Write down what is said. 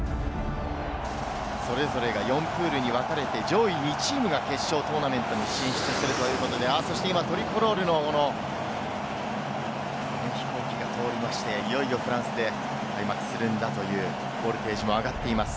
それぞれが４クールにわかれて、上位２チームが決勝トーナメントに進出するということで、今、トリコロールの飛行機が通りまして、いよいよフランスで開幕するんだというボルテージも上がっています。